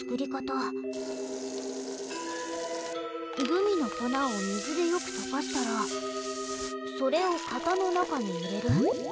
グミの粉を水でよく溶かしたらそれを型の中に入れる。